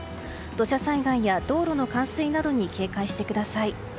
土砂災害や道路の冠水などに警戒してください。